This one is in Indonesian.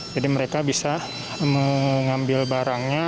jadi mereka bisa mengambil barangnya